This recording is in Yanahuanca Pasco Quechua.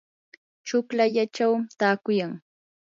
chuklallachaw taakuyan.